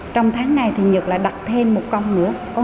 trong tháng này thì nhật lại đặt thêm một con nữa